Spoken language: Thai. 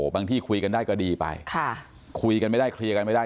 ที่คุยกันได้ก็ดีไปคุยกันไม่ได้เคลียร์กันไม่ได้